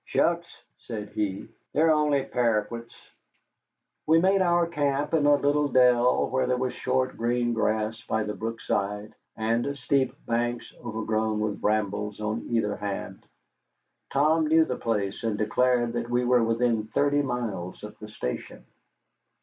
"Shucks," said he, "they're only paroquets." We made our camp in a little dell where there was short green grass by the brookside and steep banks overgrown with brambles on either hand. Tom knew the place, and declared that we were within thirty miles of the station.